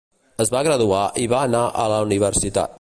Es va graduar i va anar a la universitat.